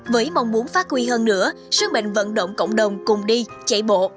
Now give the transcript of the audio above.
với mong muốn phát huy hơn nữa sứ mệnh vận động cộng đồng cùng đi chạy bộ